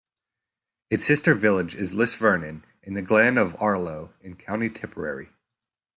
Its sister village is Lisvernane in the Glen of Aherlow in County Tipperary.